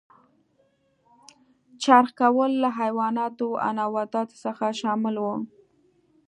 چرخ کول له حیواناتو او نباتاتو څخه شامل و.